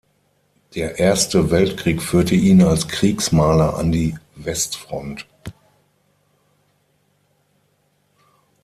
Der Erste Weltkrieg führte ihn als Kriegsmaler an die Westfront.